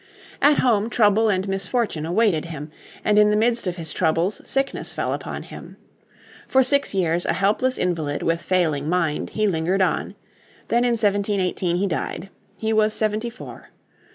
At home trouble and misfortune awaited him. And in the midst of his troubles sickness fell upon him. For six years a helpless invalid with failing mind, he lingered on. Then in 1718 he died. He was seventy four.